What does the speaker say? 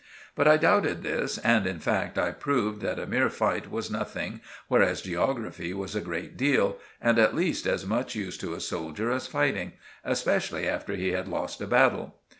But I doubted this, and, in fact, I proved that a mere fight was nothing, whereas geography was a great deal and at least as much use to a soldier as fighting—especially after he had lost a battle.